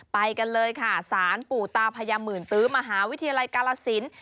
ไปกันเลยค่ะสารปู่ตาพญาหมื่นตื้อมหาวิทยาลัยกาลสิน